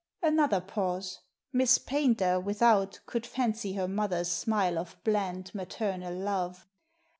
Another pause. Miss Paynter, without, could fancy her mother's smile of bland maternal love.